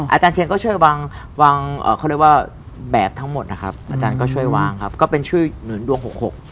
อาจารย์เชียงก็ช่วยวางแบบทั้งหมดนะครับอาจารย์ก็ช่วยวางครับก็เป็นชื่อหนุนดวงหก